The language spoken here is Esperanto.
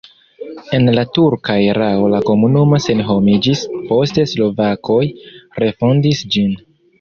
En la turka erao la komunumo senhomiĝis, poste slovakoj refondis ĝin.